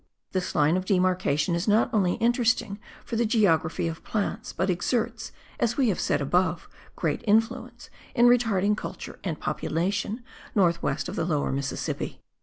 This line of demarcation is not only interesting for the geography of plants, but exerts, as we have said above, great influence in retarding culture and population north west of the Lower Mississippi.